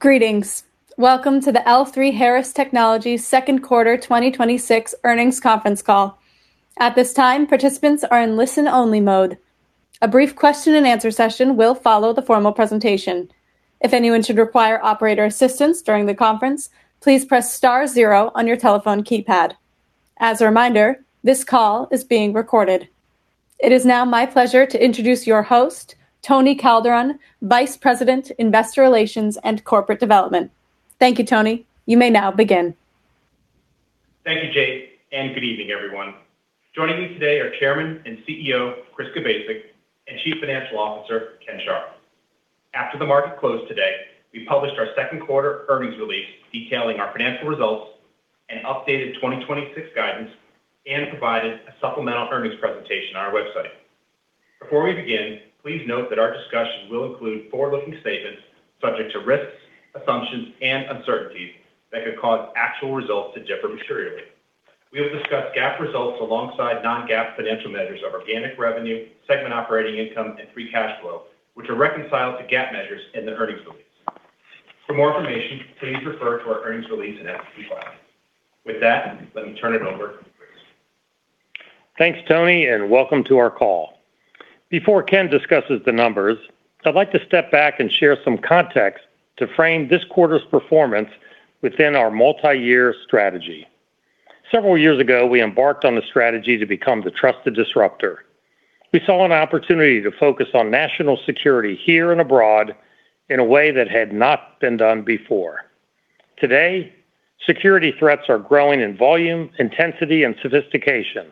Greetings. Welcome to the L3Harris Technologies second quarter 2026 earnings conference call. At this time, participants are in listen-only mode. A brief question and answer session will follow the formal presentation. If anyone should require operator assistance during the conference, please press star zero on your telephone keypad. As a reminder, this call is being recorded. It is now my pleasure to introduce your host, Tony Calderon, Vice President, Investor Relations and Corporate Development. Thank you, Tony. You may now begin. Thank you, Jade, and good evening, everyone. Joining me today are Chairman and CEO, Chris Kubasik, and Chief Financial Officer, Ken Sharp. After the market closed today, we published our second quarter earnings release detailing our financial results and updated 2026 guidance and provided a supplemental earnings presentation on our website. Before we begin, please note that our discussion will include forward-looking statements subject to risks, assumptions, and uncertainties that could cause actual results to differ materially. We will discuss GAAP results alongside non-GAAP financial measures of organic revenue, segment operating income, and free cash flow, which are reconciled to GAAP measures in the earnings release. For more information, please refer to our earnings release and SEC filing. With that, let me turn it over to Chris. Thanks, Tony. Welcome to our call. Before Ken discusses the numbers, I'd like to step back and share some context to frame this quarter's performance within our multi-year strategy. Several years ago, we embarked on the strategy to become the Trusted Disruptor. We saw an opportunity to focus on national security here and abroad in a way that had not been done before. Today, security threats are growing in volume, intensity, and sophistication.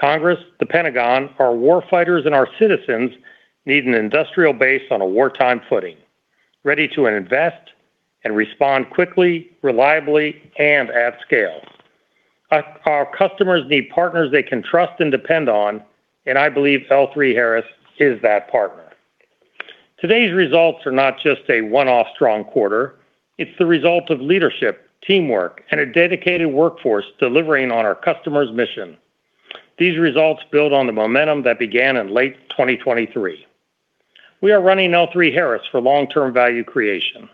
Congress, the Pentagon, our war fighters, and our citizens need an industrial base on a wartime footing, ready to invest and respond quickly, reliably, and at scale. Our customers need partners they can trust and depend on, I believe L3Harris is that partner. Today's results are not just a one-off strong quarter, it's the result of leadership, teamwork, and a dedicated workforce delivering on our customer's mission. These results build on the momentum that began in late 2023. We are running L3Harris for long-term value creation.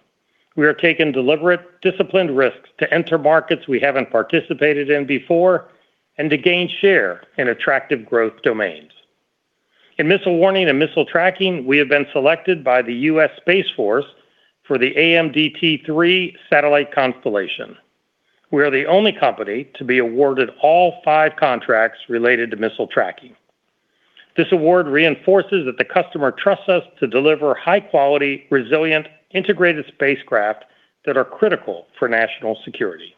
We are taking deliberate, disciplined risks to enter markets we haven't participated in before and to gain share in attractive growth domains. In missile warning and missile tracking, we have been selected by the U.S. Space Force for the AMDT-3 satellite constellation. We are the only company to be awarded all five contracts related to missile tracking. This award reinforces that the customer trusts us to deliver high-quality, resilient, integrated spacecraft that are critical for national security.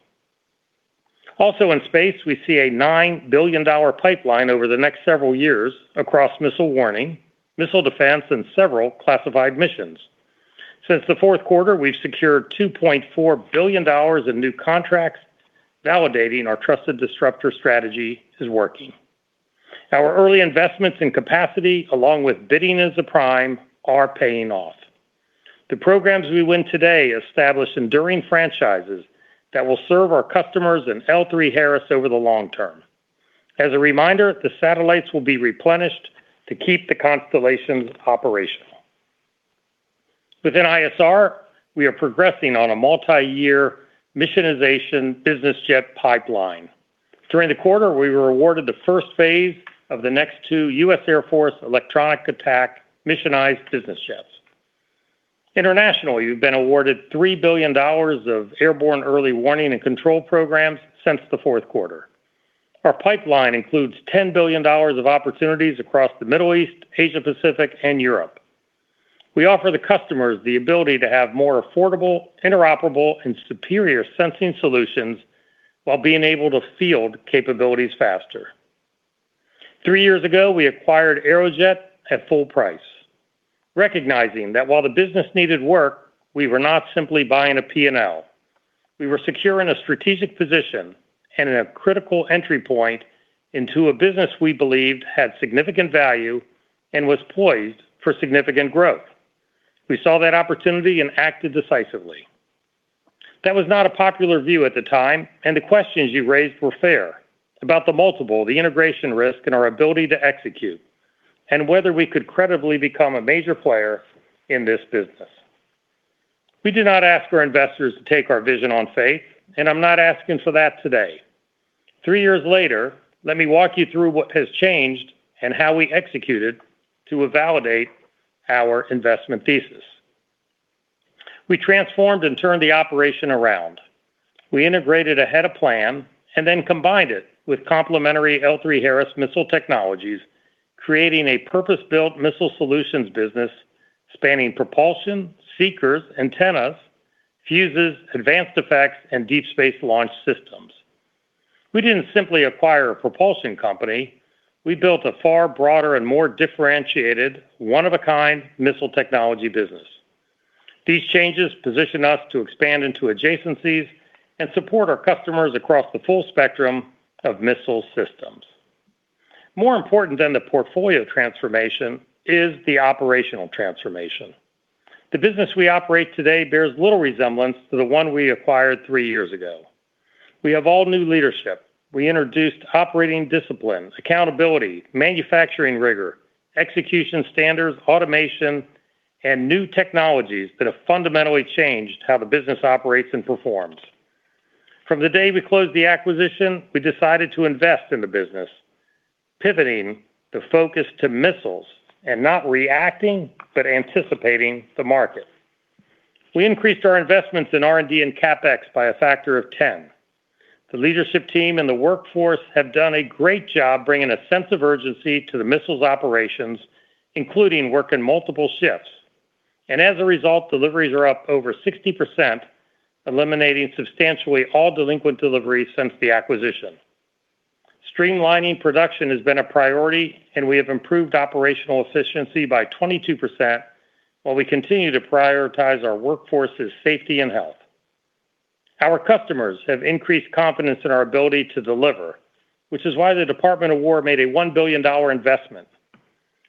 Also in space, we see a $9 billion pipeline over the next several years across missile warning, missile defense, and several classified missions. Since the fourth quarter, we've secured $2.4 billion in new contracts, validating our Trusted Disruptor strategy is working. Our early investments in capacity, along with bidding as a prime, are paying off. The programs we win today establish enduring franchises that will serve our customers and L3Harris over the long term. As a reminder, the satellites will be replenished to keep the constellations operational. Within ISR, we are progressing on a multi-year missionization business jet pipeline. During the quarter, we were awarded the first phase of the next two U.S. Air Force electronic attack missionized business jets. Internationally, we've been awarded $3 billion of airborne early warning and control programs since the fourth quarter. Our pipeline includes $10 billion of opportunities across the Middle East, Asia-Pacific, and Europe. We offer the customers the ability to have more affordable, interoperable, and superior sensing solutions while being able to field capabilities faster. Three years ago, we acquired Aerojet at full price, recognizing that while the business needed work, we were not simply buying a P&L. We were securing a strategic position and a critical entry point into a business we believed had significant value and was poised for significant growth. We saw that opportunity and acted decisively. That was not a popular view at the time, and the questions you raised were fair, about the multiple, the integration risk and our ability to execute, and whether we could credibly become a major player in this business. We do not ask our investors to take our vision on faith, and I'm not asking for that today. Three years later, let me walk you through what has changed and how we executed to validate our investment thesis. We transformed and turned the operation around. We integrated ahead of plan and then combined it with complementary L3Harris missile technologies, creating a purpose-built Missile Solutions business spanning propulsion, seekers, antennas, fuses, advanced effects, and deep space launch systems. We didn't simply acquire a propulsion company, we built a far broader and more differentiated one-of-a-kind missile technology business. These changes position us to expand into adjacencies and support our customers across the full spectrum of missile systems. More important than the portfolio transformation is the operational transformation. The business we operate today bears little resemblance to the one we acquired three years ago. We have all new leadership. We introduced operating disciplines, accountability, manufacturing rigor, execution standards, automation, and new technologies that have fundamentally changed how the business operates and performs. From the day we closed the acquisition, we decided to invest in the business, pivoting the focus to missiles and not reacting, but anticipating the market. We increased our investments in R&D and CapEx by a factor of 10. The leadership team and the workforce have done a great job bringing a sense of urgency to the missiles operations, including working multiple shifts. As a result, deliveries are up over 60%, eliminating substantially all delinquent deliveries since the acquisition. Streamlining production has been a priority, and we have improved operational efficiency by 22%, while we continue to prioritize our workforce's safety and health. Our customers have increased confidence in our ability to deliver, which is why the Department of War made a $1 billion investment.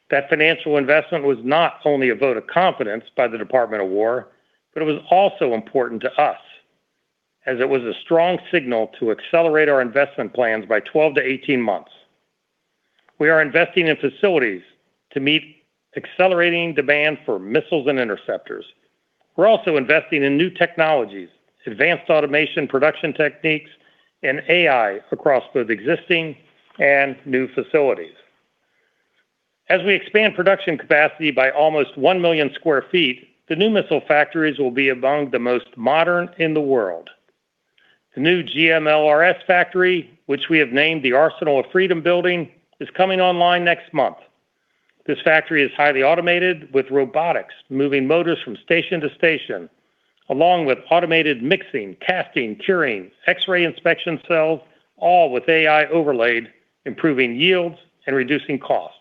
That financial investment was not only a vote of confidence by the Department of War, but it was also important to us, as it was a strong signal to accelerate our investment plans by 12-18 months. We are investing in facilities to meet accelerating demand for missiles and interceptors. We're also investing in new technologies, advanced automation production techniques, and AI across both existing and new facilities. As we expand production capacity by almost 1 million sq ft, the new missile factories will be among the most modern in the world. The new GMLRS factory, which we have named the Arsenal of Freedom building, is coming online next month. This factory is highly automated, with robotics moving motors from station to station, along with automated mixing, casting, curing, X-ray inspection cells, all with AI overlaid, improving yields and reducing cost.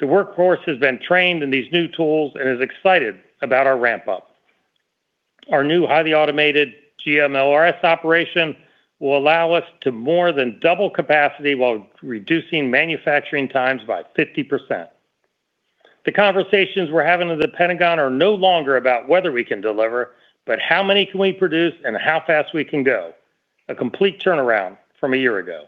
The workforce has been trained in these new tools and is excited about our ramp-up. Our new highly automated GMLRS operation will allow us to more than double capacity while reducing manufacturing times by 50%. The conversations we're having with the Pentagon are no longer about whether we can deliver, but how many can we produce and how fast we can go. A complete turnaround from a year ago.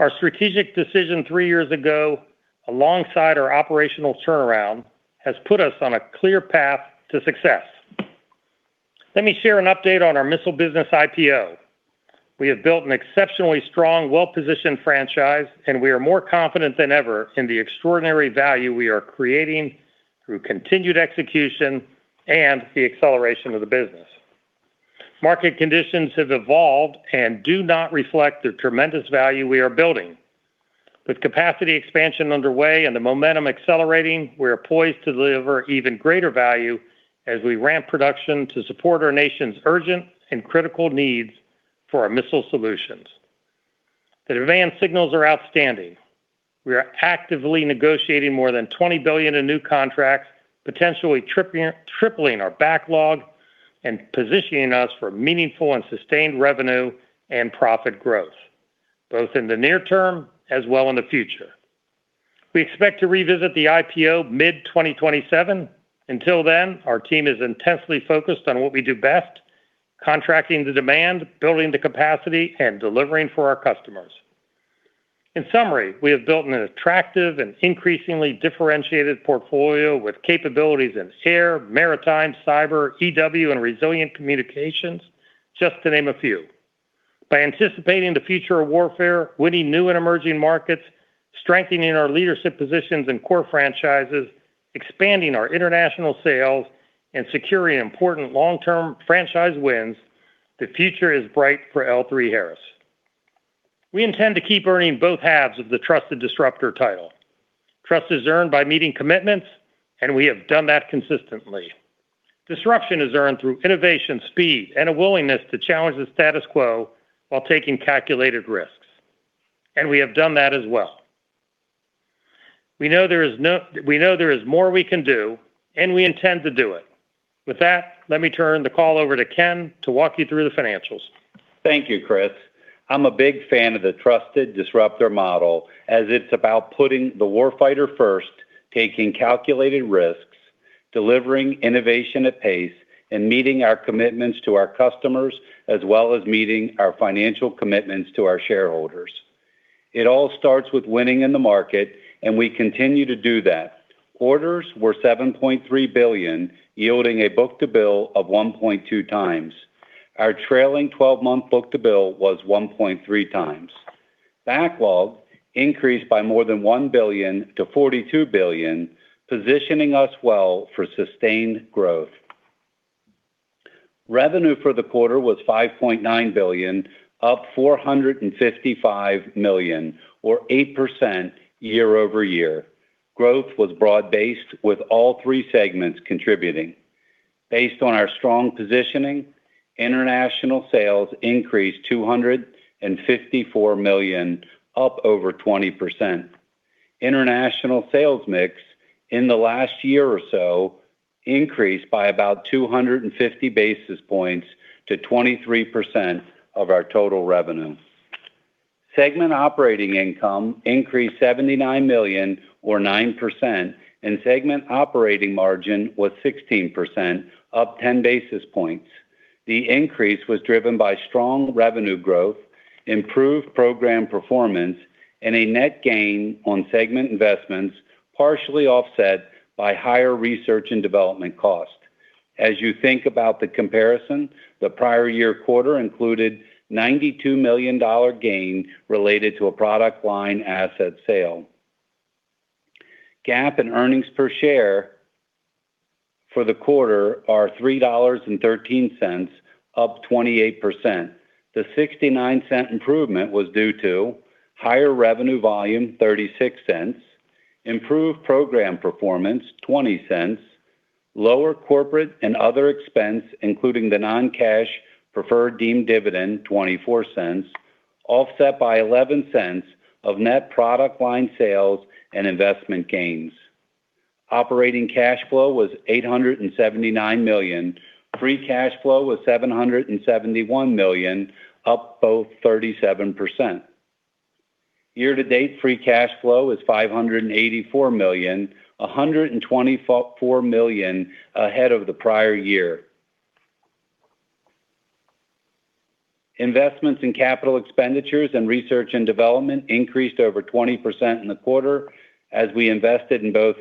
Our strategic decision three years ago, alongside our operational turnaround, has put us on a clear path to success. Let me share an update on our missile business IPO. We have built an exceptionally strong, well-positioned franchise. We are more confident than ever in the extraordinary value we are creating through continued execution and the acceleration of the business. Market conditions have evolved and do not reflect the tremendous value we are building. With capacity expansion underway and the momentum accelerating, we are poised to deliver even greater value as we ramp production to support our nation's urgent and critical needs for our Missile Solutions. The demand signals are outstanding. We are actively negotiating more than $20 billion in new contracts, potentially tripling our backlog and positioning us for meaningful and sustained revenue and profit growth, both in the near term as well in the future. We expect to revisit the IPO mid-2027. Until then, our team is intensely focused on what we do best, contracting the demand, building the capacity, and delivering for our customers. In summary, we have built an attractive and increasingly differentiated portfolio with capabilities in air, maritime, cyber, EW, and resilient communications, just to name a few. By anticipating the future of warfare, winning new and emerging markets, strengthening our leadership positions and core franchises, expanding our international sales, and securing important long-term franchise wins, the future is bright for L3Harris. We intend to keep earning both halves of the Trusted Disruptor title. Trust is earned by meeting commitments. We have done that consistently. Disruption is earned through innovation, speed, and a willingness to challenge the status quo while taking calculated risks. We have done that as well. We know there is more we can do. We intend to do it. With that, let me turn the call over to Ken to walk you through the financials. Thank you, Chris. I'm a big fan of the Trusted Disruptor model as it's about putting the warfighter first, taking calculated risks, delivering innovation at pace, and meeting our commitments to our customers, as well as meeting our financial commitments to our shareholders. It all starts with winning in the market, and we continue to do that. Orders were $7.3 billion, yielding a book-to-bill of 1.2 times. Our trailing 12-month book-to-bill was 1.3 times. Backlog increased by more than $1 billion to $42 billion, positioning us well for sustained growth. Revenue for the quarter was $5.9 billion, up $455 million, or 8% year-over-year. Growth was broad-based, with all three segments contributing. Based on our strong positioning, international sales increased $254 million, up over 20%. International sales mix in the last year or so increased by about 250 basis points to 23% of our total revenue. Segment operating income increased $79 million or 9%, and segment operating margin was 16%, up 10 basis points. The increase was driven by strong revenue growth, improved program performance, and a net gain on segment investments, partially offset by higher research and development costs. As you think about the comparison, the prior year quarter included a $92 million gain related to a product line asset sale. GAAP and earnings per share for the quarter are $3.13, up 28%. The $0.69 improvement was due to higher revenue volume, $0.36, improved program performance, $0.20, lower corporate and other expense, including the non-cash preferred deemed dividend, $0.24, offset by $0.11 of net product line sales and investment gains. Operating cash flow was $879 million. Free cash flow was $771 million, up both 37%. Year-to-date free cash flow is $584 million, $124 million ahead of the prior year. Investments in capital expenditures and research and development increased over 20% in the quarter as we invested in both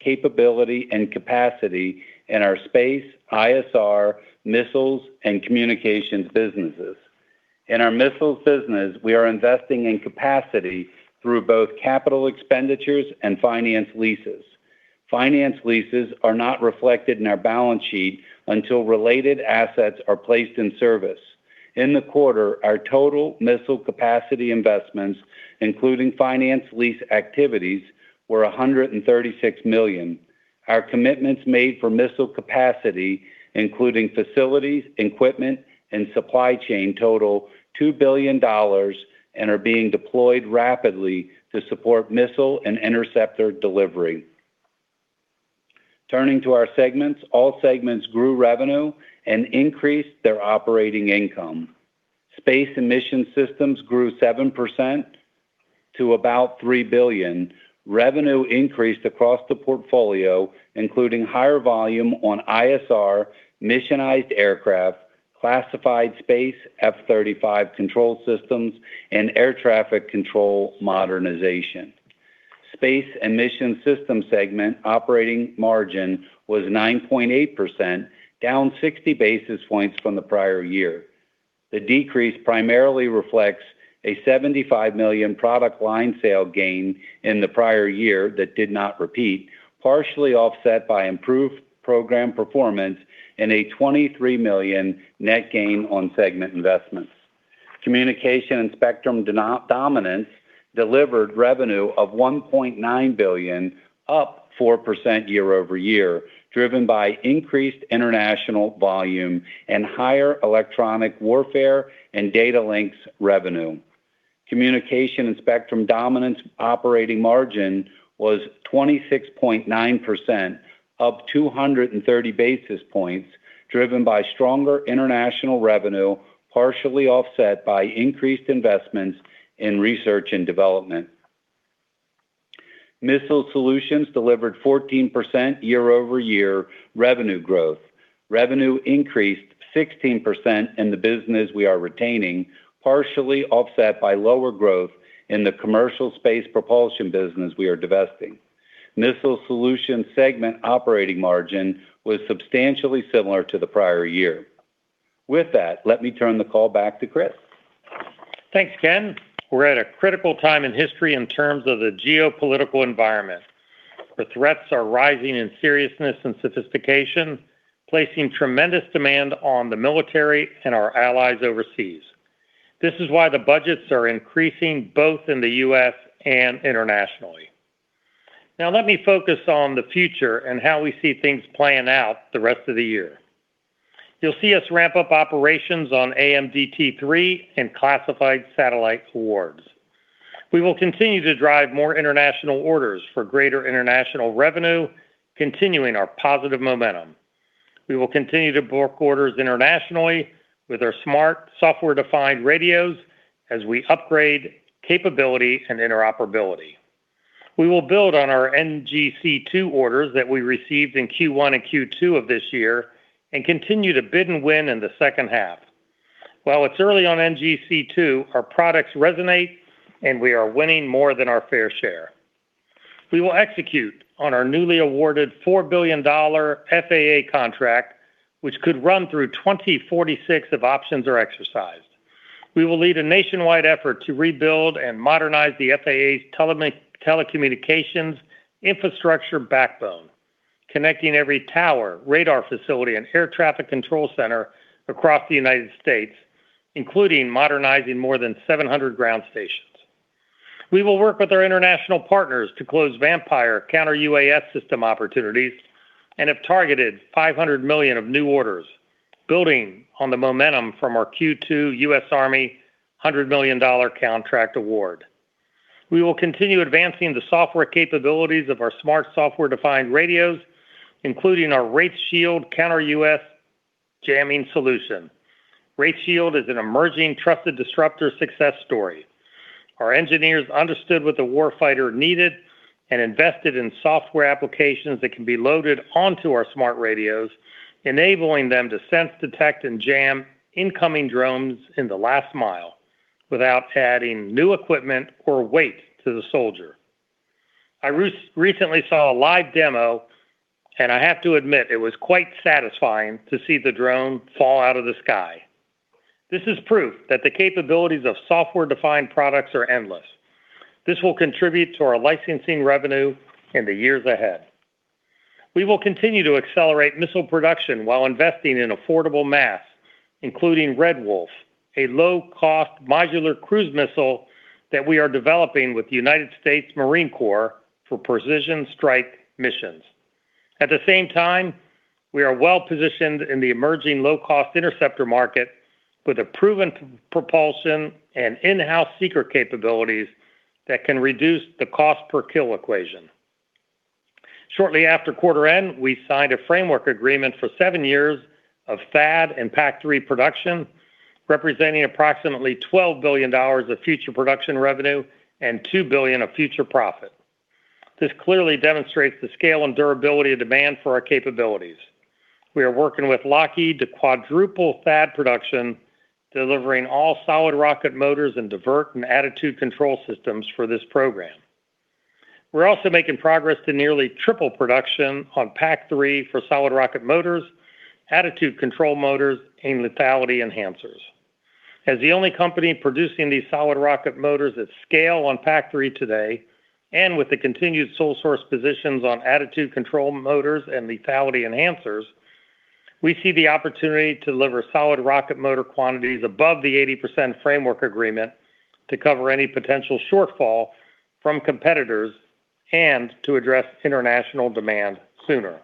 capability and capacity in our space, ISR, missiles, and communications businesses. In our missiles business, we are investing in capacity through both capital expenditures and finance leases. Finance leases are not reflected in our balance sheet until related assets are placed in service. In the quarter, our total missile capacity investments, including finance lease activities, were $136 million. Our commitments made for missile capacity, including facilities, equipment, and supply chain total $2 billion and are being deployed rapidly to support missile and interceptor delivery. Turning to our segments, all segments grew revenue and increased their operating income. Space & Mission Systems grew 7% to about $3 billion. Revenue increased across the portfolio, including higher volume on ISR, missionized aircraft, classified space, F-35 control systems, and air traffic control modernization. Space & Mission Systems segment operating margin was 9.8%, down 60 basis points from the prior year. The decrease primarily reflects a $75 million product line sale gain in the prior year that did not repeat, partially offset by improved program performance and a $23 million net gain on segment investments. Communications & Spectrum Dominance delivered revenue of $1.9 billion, up 4% year-over-year, driven by increased international volume and higher electronic warfare and data links revenue. Communications & Spectrum Dominance operating margin was 26.9%, up 230 basis points, driven by stronger international revenue, partially offset by increased investments in research and development. Missile Solutions delivered 14% year-over-year revenue growth. Revenue increased 16% in the business we are retaining, partially offset by lower growth in the commercial space propulsion business we are divesting. Missile Solutions segment operating margin was substantially similar to the prior year. With that, let me turn the call back to Chris. Thanks, Ken. We're at a critical time in history in terms of the geopolitical environment. The threats are rising in seriousness and sophistication, placing tremendous demand on the military and our allies overseas. This is why the budgets are increasing both in the U.S. and internationally. Let me focus on the future and how we see things playing out the rest of the year. You'll see us ramp up operations on AMDT3 and classified satellite awards. We will continue to drive more international orders for greater international revenue, continuing our positive momentum. We will continue to book orders internationally with our smart software-defined radios as we upgrade capability and interoperability. We will build on our NGC2 orders that we received in Q1 and Q2 of this year and continue to bid and win in the second half. It's early on NGC2, our products resonate, and we are winning more than our fair share. We will execute on our newly awarded $4 billion FAA contract, which could run through 2046 if options are exercised. We will lead a nationwide effort to rebuild and modernize the FAA's telecommunications infrastructure backbone, connecting every tower, radar facility, and air traffic control center across the United States, including modernizing more than 700 ground stations. We will work with our international partners to close VAMPIRE counter-UAS system opportunities and have targeted $500 million of new orders, building on the momentum from our Q2 U.S. Army $100 million contract award. We will continue advancing the software capabilities of our smart software-defined radios, including our Wraith Shield counter-UAS jamming solution. Wraith Shield is an emerging Trusted Disruptor success story. Our engineers understood what the warfighter needed and invested in software applications that can be loaded onto our smart radios, enabling them to sense, detect, and jam incoming drones in the last mile without adding new equipment or weight to the soldier. I recently saw a live demo, I have to admit it was quite satisfying to see the drone fall out of the sky. This is proof that the capabilities of software-defined products are endless. This will contribute to our licensing revenue in the years ahead. We will continue to accelerate missile production while investing in affordable mass, including Red Wolf, a low-cost modular cruise missile that we are developing with the United States Marine Corps for precision strike missions. At the same time, we are well-positioned in the emerging low-cost interceptor market with a proven propulsion and in-house seeker capabilities that can reduce the cost per kill equation. Shortly after quarter end, we signed a framework agreement for seven years of THAAD and PAC-3 production, representing approximately $12 billion of future production revenue and $2 billion of future profit. This clearly demonstrates the scale and durability of demand for our capabilities. We are working with Lockheed to quadruple THAAD production, delivering all solid rocket motors and Divert and Attitude Control Systems for this program. We're also making progress to nearly triple production on PAC-3 for solid rocket motors, Attitude Control Motors, and Lethality Enhancers. As the only company producing these solid rocket motors at scale on PAC-3 today, and with the continued sole source positions on Attitude Control Motors and Lethality Enhancers, we see the opportunity to deliver solid rocket motor quantities above the 80% framework agreement to cover any potential shortfall from competitors and to address international demand sooner.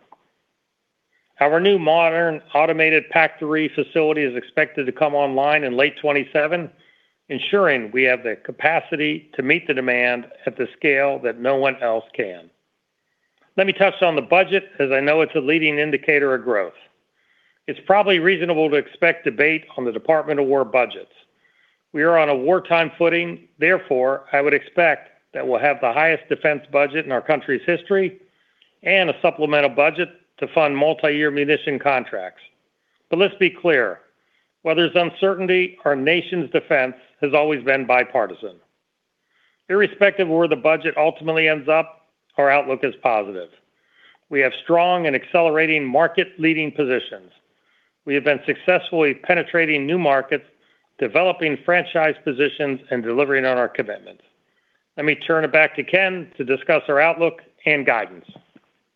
Our new modern automated PAC-3 facility is expected to come online in late 2027, ensuring we have the capacity to meet the demand at the scale that no one else can. Let me touch on the budget, as I know it's a leading indicator of growth. It's probably reasonable to expect debate on the Department of War budgets. We are on a wartime footing, therefore, I would expect that we'll have the highest defense budget in our country's history and a supplemental budget to fund multi-year munition contracts. Let's be clear, while there's uncertainty, our nation's defense has always been bipartisan. Irrespective of where the budget ultimately ends up, our outlook is positive. We have strong and accelerating market-leading positions. We have been successfully penetrating new markets, developing franchise positions, and delivering on our commitments. Let me turn it back to Ken to discuss our outlook and guidance.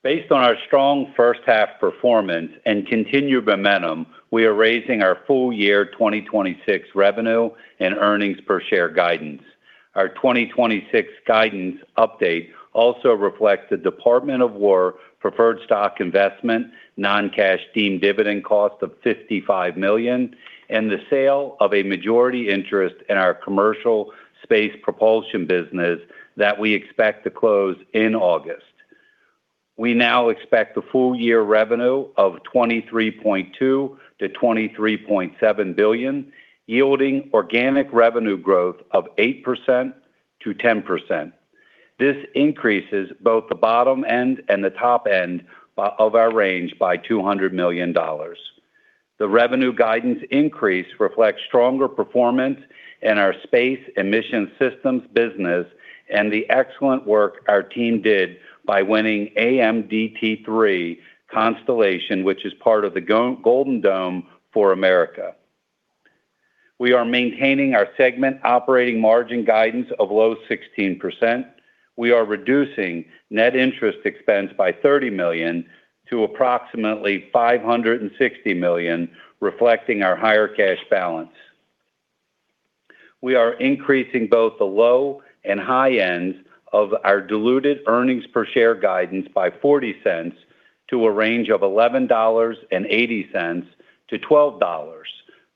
Based on our strong first half performance and continued momentum, we are raising our full year 2026 revenue and earnings per share guidance. Our 2026 guidance update also reflects the Department of War preferred stock investment, non-cash deemed dividend cost of $55 million, and the sale of a majority interest in our commercial space propulsion business that we expect to close in August. We now expect the full year revenue of $23.2 billion-$23.7 billion, yielding organic revenue growth of 8%-10%. This increases both the bottom end and the top end of our range by $200 million. The revenue guidance increase reflects stronger performance in our Space & Mission Systems business and the excellent work our team did by winning AMDT3 Constellation, which is part of the Golden Dome for America. We are maintaining our segment operating margin guidance of low 16%. We are reducing net interest expense by $30 million to approximately $560 million, reflecting our higher cash balance. We are increasing both the low and high ends of our diluted earnings per share guidance by $0.40 to a range of $11.80-$12.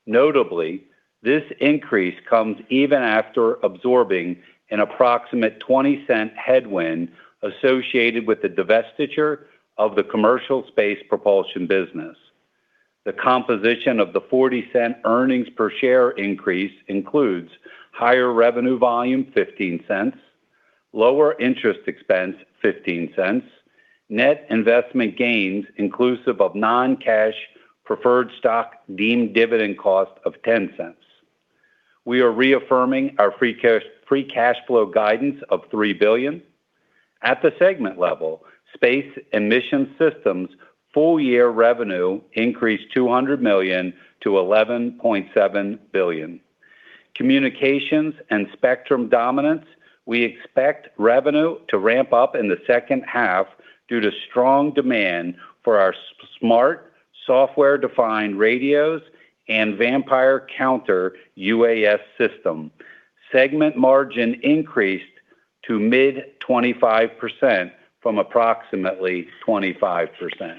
Notably, this increase comes even after absorbing an approximate $0.20 headwind associated with the divestiture of the commercial space propulsion business. The composition of the $0.40 earnings per share increase includes higher revenue volume $0.15, lower interest expense $0.15, net investment gains inclusive of non-cash preferred stock deemed dividend cost of $0.10. We are reaffirming our free cash flow guidance of $3 billion. At the segment level, Space & Mission Systems full year revenue increased $200 million-$11.7 billion. Communications & Spectrum Dominance, we expect revenue to ramp up in the second half due to strong demand for our smart software-defined radios and VAMPIRE counter-UAS system. Segment margin increased to mid 25% from approximately 25%.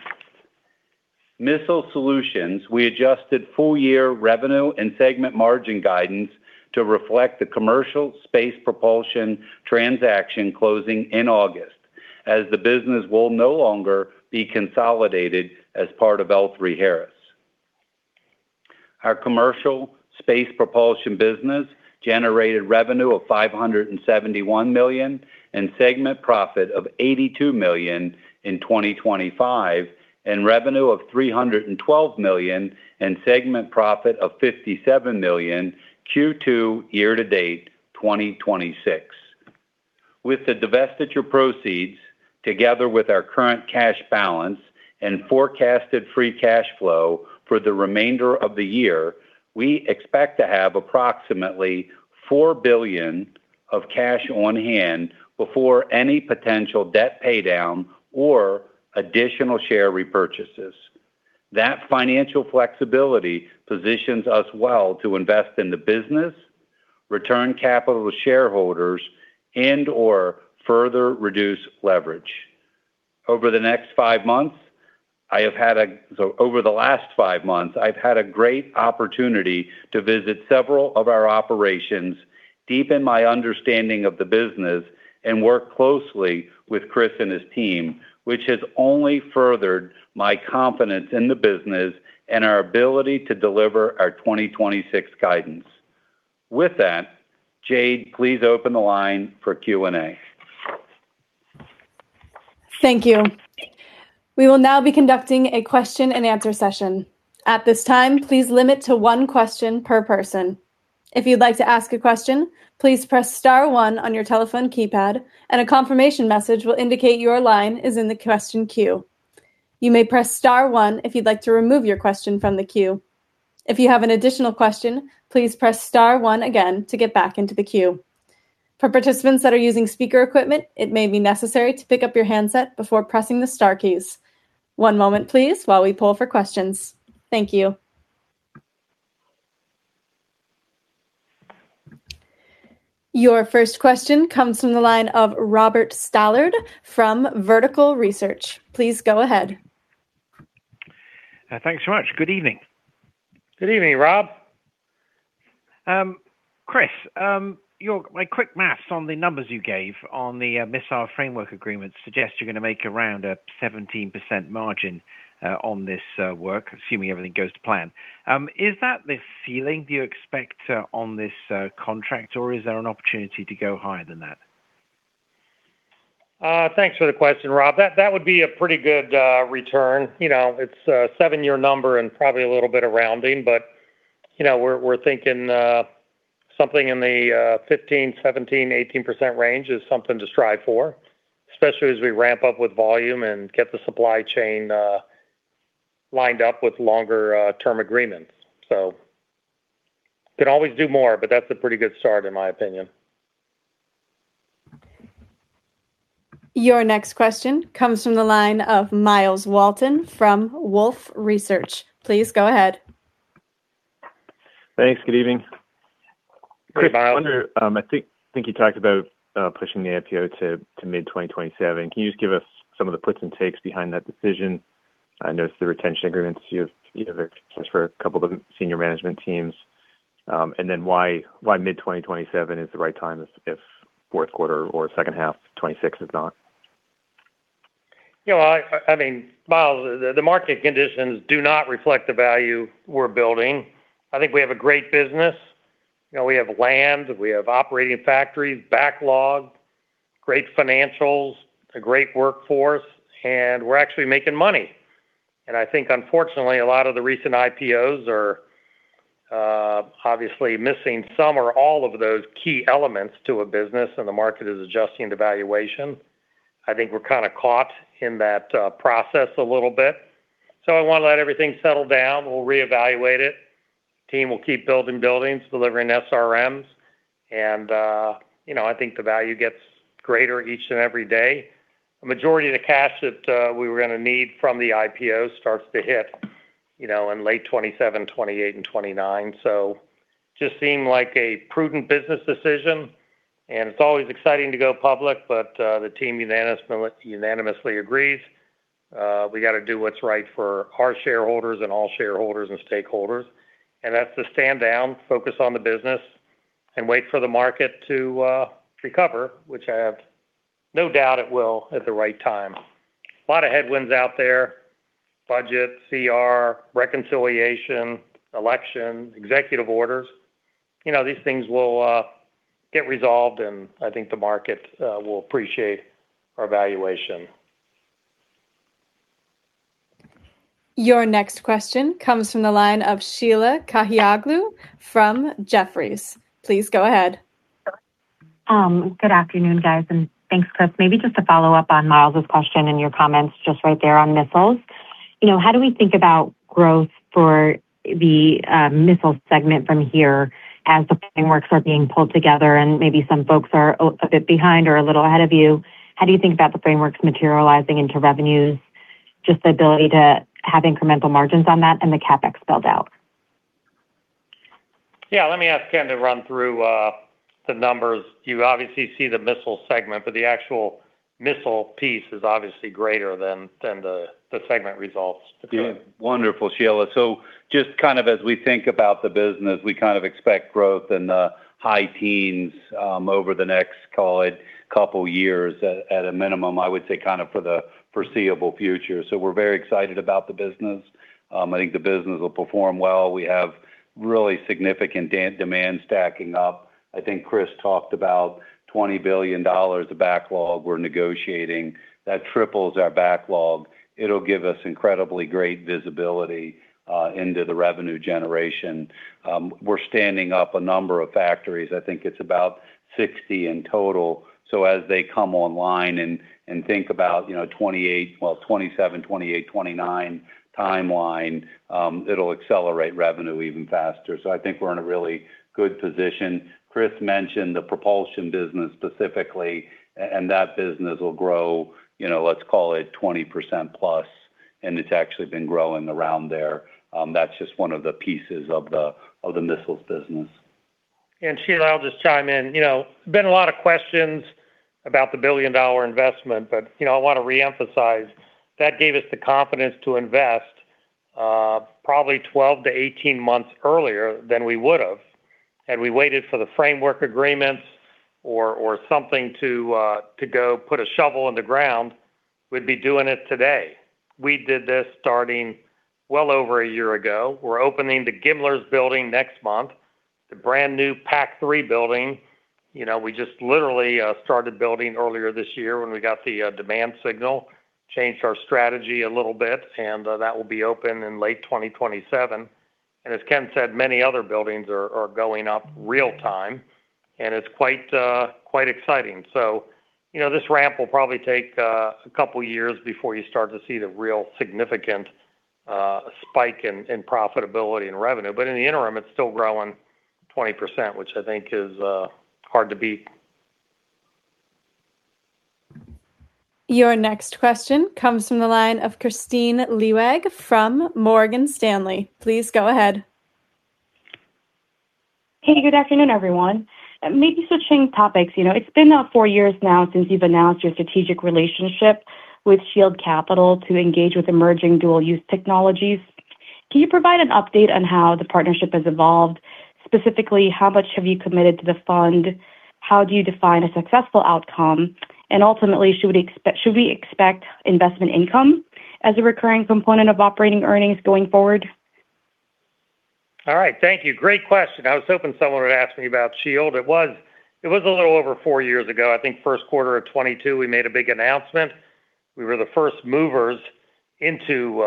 Missile Solutions, we adjusted full-year revenue and segment margin guidance to reflect the commercial space propulsion transaction closing in August, as the business will no longer be consolidated as part of L3Harris. Our commercial space propulsion business generated revenue of $571 million and segment profit of $82 million in 2025, and revenue of $312 million and segment profit of $57 million Q2 year-to-date 2026. With the divestiture proceeds, together with our current cash balance and forecasted free cash flow for the remainder of the year, we expect to have approximately $4 billion of cash on hand before any potential debt paydown or additional share repurchases. That financial flexibility positions us well to invest in the business, return capital to shareholders, and/or further reduce leverage. Over the last five months, I've had a great opportunity to visit several of our operations, deepen my understanding of the business, and work closely with Chris and his team, which has only furthered my confidence in the business and our ability to deliver our 2026 guidance. With that, Jade, please open the line for Q&A. Thank you. We will now be conducting a question and answer session. At this time, please limit to one question per person. If you'd like to ask a question, please press star one on your telephone keypad and a confirmation message will indicate your line is in the question queue. You may press star one if you'd like to remove your question from the queue. If you have an additional question, please press star one again to get back into the queue. For participants that are using speaker equipment, it may be necessary to pick up your handset before pressing the star keys. One moment, please, while we poll for questions. Thank you. Your first question comes from the line of Robert Stallard from Vertical Research. Please go ahead. Thanks very much. Good evening. Good evening, Rob. Chris, my quick math on the numbers you gave on the Missile Framework Agreement suggests you're going to make around a 17% margin on this work, assuming everything goes to plan. Is that the feeling you expect on this contract, or is there an opportunity to go higher than that? Thanks for the question, Rob. That would be a pretty good return. It's a seven-year number and probably a little bit of rounding, but we're thinking something in the 15%, 17%, 18% range is something to strive for, especially as we ramp up with volume and get the supply chain lined up with longer term agreements. Could always do more, but that's a pretty good start, in my opinion. Your next question comes from the line of Myles Walton from Wolfe Research. Please go ahead. Thanks. Good evening. Hey, Myles. Chris, I think you talked about pushing the IPO to mid-2027. Can you just give us some of the puts and takes behind that decision? I noticed the retention agreements you have extensions for a couple of the senior management teams. Why mid-2027 is the right time if fourth quarter or second half 2026 is not? Myles, the market conditions do not reflect the value we're building. I think we have a great business. We have land, we have operating factories, backlog, great financials, a great workforce, and we're actually making money. I think, unfortunately, a lot of the recent IPOs are obviously missing some or all of those key elements to a business and the market is adjusting to valuation. I think we're kind of caught in that process a little bit. I want to let everything settle down. We'll reevaluate it. Team will keep building buildings, delivering SRMs, and I think the value gets greater each and every day. The majority of the cash that we were going to need from the IPO starts to hit in late 2027, 2028, and 2029. Just seemed like a prudent business decision, and it's always exciting to go public, but the team unanimously agrees. We got to do what's right for our shareholders and all shareholders and stakeholders, and that's to stand down, focus on the business, and wait for the market to recover, which I have no doubt it will at the right time. A lot of headwinds out there. Budget, CR, reconciliation, election, executive orders. These things will get resolved, and I think the market will appreciate our valuation. Your next question comes from the line of Sheila Kahyaoglu from Jefferies. Please go ahead. Good afternoon, guys, and thanks, Chris. Maybe just to follow up on Myles' question and your comments just right there on missiles. How do we think about growth for the Missile Solutions segment from here as the frameworks are being pulled together and maybe some folks are a bit behind or a little ahead of you? How do you think about the frameworks materializing into revenues, just the ability to have incremental margins on that and the CapEx build-out? Yeah, let me ask Ken to run through the numbers. You obviously see the Missile Solutions segment, but the actual missile piece is obviously greater than the segment results. Wonderful, Sheila. Just kind of as we think about the business, we kind of expect growth in the high teens over the next, call it, couple of years at a minimum, I would say kind of for the foreseeable future. We're very excited about the business. I think the business will perform well. We have really significant demand stacking up. I think Chris talked about $20 billion of backlog we're negotiating. That triples our backlog. It'll give us incredibly great visibility into the revenue generation. We're standing up a number of factories. I think it's about 60 in total. As they come online and think about 2027, 2028, 2029 timeline, it'll accelerate revenue even faster. I think we're in a really good position. Chris mentioned the propulsion business specifically, and that business will grow, let's call it 20%+, and it's actually been growing around there. That's just one of the pieces of the Missile Solutions business. Sheila, I'll just chime in. A lot of questions about the billion-dollar investment. I want to reemphasize that gave us the confidence to invest probably 12 to 18 months earlier than we would have. Had we waited for the framework agreements or something to go put a shovel in the ground, we'd be doing it today. We did this starting well over a year ago. We're opening the GMLRS building next month, the brand new PAC-3 building. We just literally started building earlier this year when we got the demand signal, changed our strategy a little bit. That will be open in late 2027. As Ken said, many other buildings are going up real time. It's quite exciting. This ramp will probably take a couple of years before you start to see the real significant spike in profitability and revenue. In the interim, it's still growing 20%, which I think is hard to beat. Your next question comes from the line of Kristine Liwag from Morgan Stanley. Please go ahead. Hey, good afternoon, everyone. Maybe switching topics. It's been now four years now since you've announced your strategic relationship with Shield Capital to engage with emerging dual-use technologies. Can you provide an update on how the partnership has evolved? Specifically, how much have you committed to the fund? How do you define a successful outcome? Ultimately, should we expect investment income as a recurring component of operating earnings going forward? All right. Thank you. Great question. I was hoping someone would ask me about Shield Capital. It was a little over four years ago, I think first quarter of 2022, we made a big announcement. We were the first movers into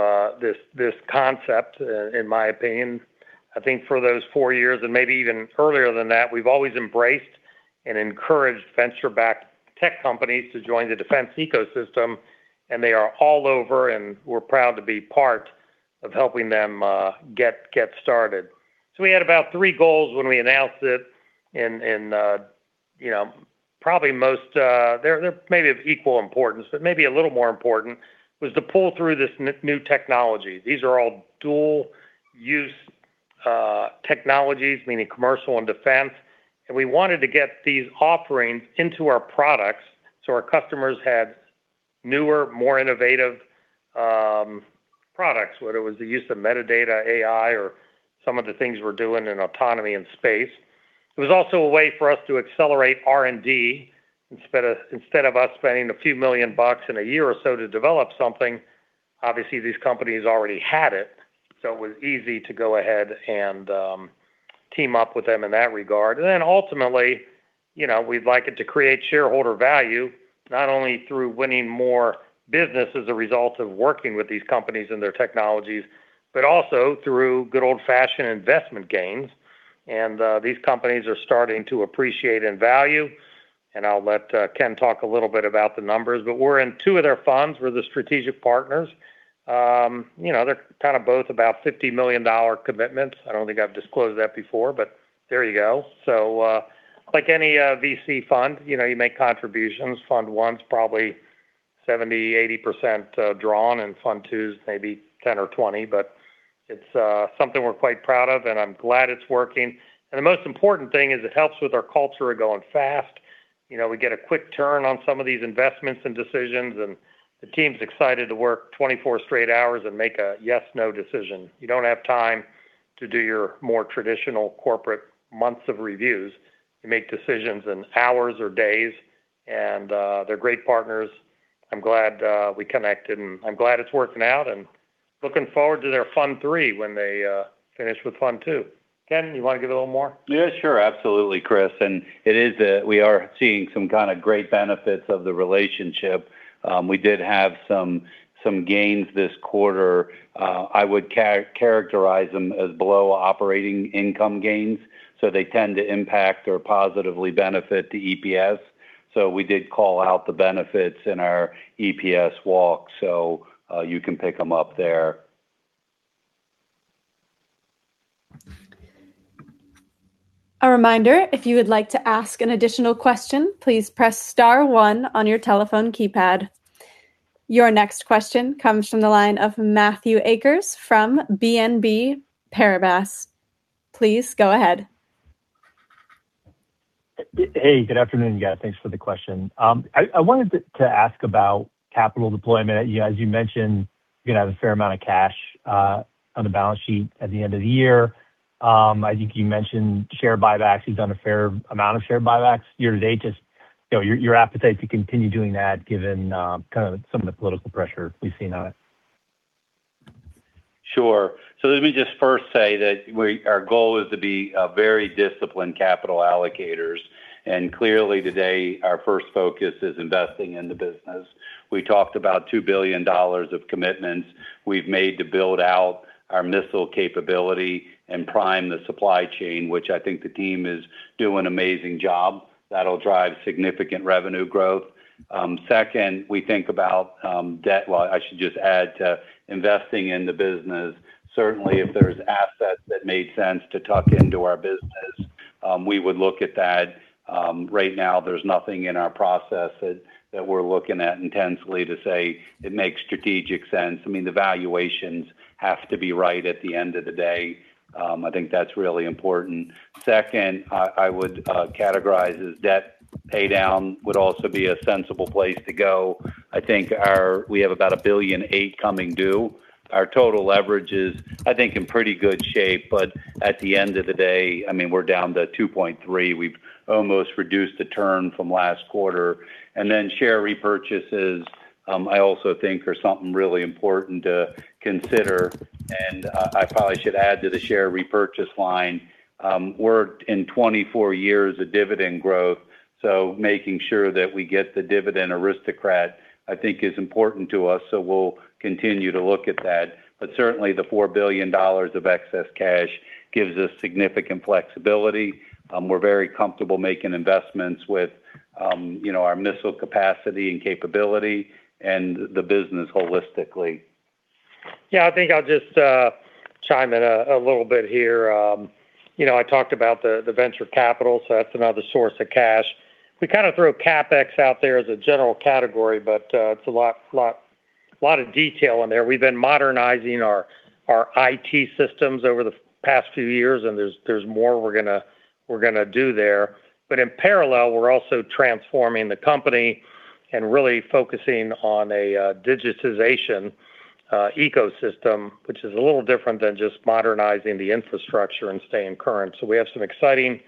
this concept, in my opinion. I think for those four years and maybe even earlier than that, we've always embraced and encouraged venture-backed tech companies to join the defense ecosystem, and they are all over, and we're proud to be part of helping them get started. We had about three goals when we announced it in probably most. They're maybe of equal importance, but maybe a little more important was to pull through this new technology. These are all dual-use technologies, meaning commercial and defense. We wanted to get these offerings into our products so our customers had newer, more innovative products, whether it was the use of metadata, AI, or some of the things we're doing in autonomy in space. It was also a way for us to accelerate R&D instead of us spending a few million dollars in a year or so to develop something. Obviously, these companies already had it, so it was easy to go ahead and team up with them in that regard. Ultimately, we'd like it to create shareholder value, not only through winning more business as a result of working with these companies and their technologies, but also through good old-fashioned investment gains. These companies are starting to appreciate in value. I'll let Ken talk a little bit about the numbers. But we're in two of their funds. We're the strategic partners. They're kind of both about $50 million commitments. I don't think I've disclosed that before, but there you go. Like any VC fund, you make contributions. Fund One's probably 70%, 80% drawn, and Fund Two's maybe 10% or 20%. It's something we're quite proud of, and I'm glad it's working. The most important thing is it helps with our culture of going fast. We get a quick turn on some of these investments and decisions, and the team's excited to work 24 straight hours and make a yes/no decision. You don't have time to do your more traditional corporate months of reviews. You make decisions in hours or days, and they're great partners. I'm glad we connected, and I'm glad it's working out. Looking forward to their Fund Three when they finish with Fund Two. Ken, you want to give a little more? Yeah, sure. Absolutely, Chris. It is that we are seeing some kind of great benefits of the relationship. We did have some gains this quarter. I would characterize them as below operating income gains. They tend to impact or positively benefit the EPS. We did call out the benefits in our EPS walk, so you can pick them up there. A reminder, if you would like to ask an additional question, please press star one on your telephone keypad. Your next question comes from the line of Matthew Akers from BNP Paribas. Please go ahead. Hey, good afternoon, you guys. Thanks for the question. I wanted to ask about capital deployment. As you mentioned, you're going to have a fair amount of cash on the balance sheet at the end of the year. I think you mentioned share buybacks. You've done a fair amount of share buybacks year to date. Just your appetite to continue doing that, given kind of some of the political pressure we've seen on it. Sure. Let me just first say that our goal is to be very disciplined capital allocators, and clearly, today, our first focus is investing in the business. We talked about $2 billion of commitments we've made to build out our missile capability and prime the supply chain, which I think the team is doing an amazing job. That'll drive significant revenue growth. Second, we think about debt. Well, I should just add to investing in the business. Certainly, if there's assets that made sense to tuck into our business, we would look at that. Right now, there's nothing in our processes that we're looking at intensely to say it makes strategic sense. I mean, the valuations have to be right at the end of the day. I think that's really important. Second, I would categorize as debt pay down would also be a sensible place to go. I think we have about $1.8 billion coming due. Our total leverage is, I think, in pretty good shape. I mean, we're down to 2.3. We've almost reduced the turn from last quarter. Share repurchases, I also think, are something really important to consider. I probably should add to the share repurchase line. We're in 24 years of dividend growth. Making sure that we get the Dividend Aristocrat, I think, is important to us, so we'll continue to look at that. Certainly, the $4 billion of excess cash gives us significant flexibility. We're very comfortable making investments with our missile capacity and capability and the business holistically. Yeah, I think I'll just chime in a little bit here. I talked about the venture capital. That's another source of cash. We kind of throw CapEx out there as a general category, but it's a lot of detail in there. We've been modernizing our IT systems over the past few years, and there's more we're going to do there. In parallel, we're also transforming the company and really focusing on a digitization ecosystem, which is a little different than just modernizing the infrastructure and staying current. We have some exciting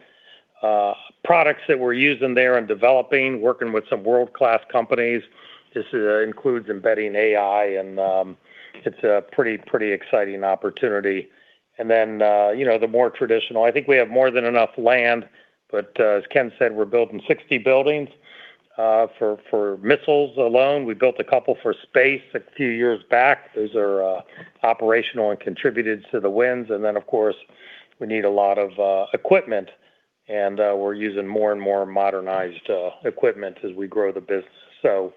products that we're using there and developing, working with some world-class companies. This includes embedding AI, and it's a pretty exciting opportunity. Then, the more traditional, I think we have more than enough land, but as Ken said, we're building 60 buildings for missiles alone. We built a couple for space a few years back. Those are operational and contributed to the wins. Then, of course, we need a lot of equipment, and we're using more and more modernized equipment as we grow the business.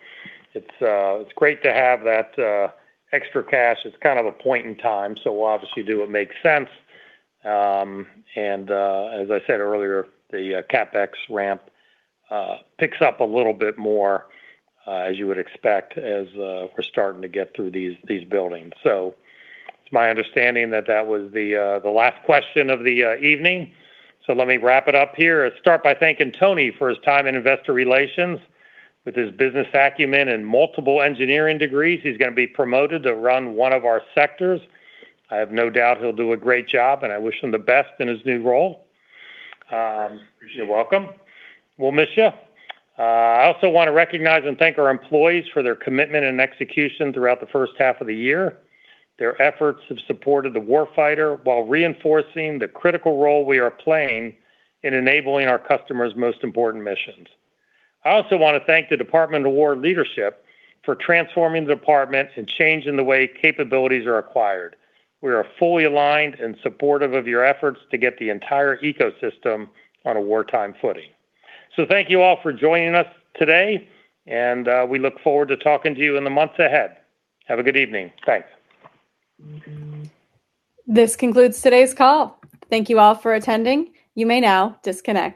It's great to have that extra cash. It's kind of a point in time. We'll obviously do what makes sense. As I said earlier, the CapEx ramp picks up a little bit more, as you would expect, as we're starting to get through these buildings. It's my understanding that that was the last question of the evening. Let me wrap it up here, and start by thanking Tony for his time in investor relations. With his business acumen and multiple engineering degrees, he's going to be promoted to run one of our sectors. I have no doubt he'll do a great job, and I wish him the best in his new role. Appreciate it. You're welcome. We'll miss you. I also want to recognize and thank our employees for their commitment and execution throughout the first half of the year. Their efforts have supported the war fighter while reinforcing the critical role we are playing in enabling our customers' most important missions. I also want to thank the Department of War leadership for transforming the departments and changing the way capabilities are acquired. We are fully aligned and supportive of your efforts to get the entire ecosystem on a wartime footing. Thank you all for joining us today, and we look forward to talking to you in the months ahead. Have a good evening. Thanks. This concludes today's call. Thank you all for attending. You may now disconnect.